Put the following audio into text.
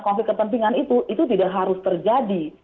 konflik kepentingan itu itu tidak harus terjadi